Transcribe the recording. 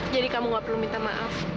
jadi kamu gak perlu minta maaf